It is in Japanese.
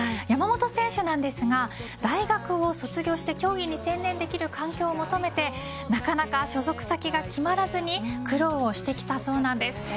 山本選手なんですが大学を卒業して競技に専念できる環境を求めてなかなか所属先が決まらずに苦労をしてきたそうです。